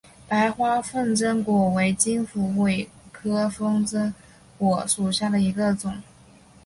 白花风筝果为金虎尾科风筝果属下的一个种。